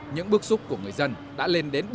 những bước xúc của người dân đã lên đến địa chỉ